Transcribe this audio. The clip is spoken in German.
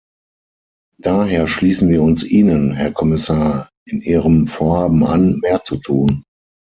Daher schließen wir uns Ihnen, Herr Kommissar, in Ihrem Vorhaben an, mehr zu tun.